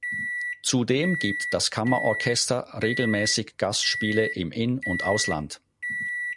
Zudem gibt das Kammerorchester regelmäßig Gastspiele im In- und Ausland.